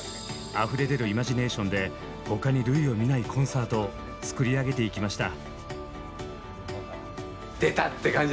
あふれ出るイマジネーションで他に類を見ないコンサートを作り上げていきました。